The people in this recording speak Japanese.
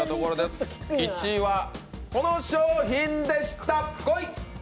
１位はこの商品でした。